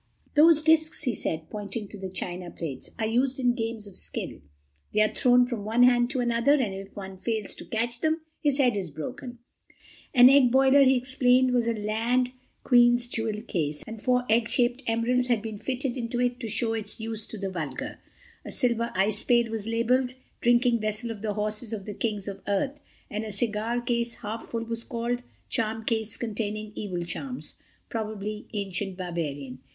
"Those discs," he said, pointing to the china plates, "are used in games of skill. They are thrown from one hand to another, and if one fails to catch them his head is broken." An egg boiler, he explained, was a Land Queen's jewel case, and four egg shaped emeralds had been fitted into it to show its use to the vulgar. A silver ice pail was labeled: "Drinking Vessel of the Horses of the Kings of Earth," and a cigar case half full was called "Charm case containing Evil Charms: probably Ancient Barbarian."